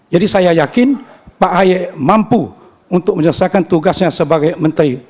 jadi saya yakin pak haye mampu untuk menyelesaikan tugasnya sebagai menteri